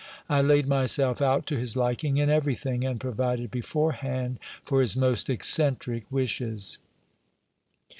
I laid myself out to his liking in everything, and provided beforehand for his most eccentric wishes.